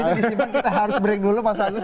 disimpan kita harus break dulu mas agus